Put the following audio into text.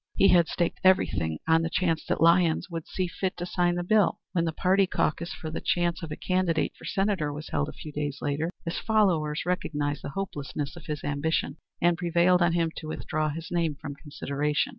He had staked everything on the chance that Lyons would see fit to sign the bill. When the party caucus for the choice of a candidate for Senator was held a few days later, his followers recognized the hopelessness of his ambition and prevailed on him to withdraw his name from consideration.